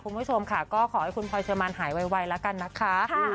คุณผู้ชมค่ะก็ขอให้คุณพลอยเชอร์มันหายไวแล้วกันนะคะ